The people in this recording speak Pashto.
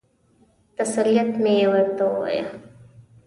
تسلیت مې ورته ووایه.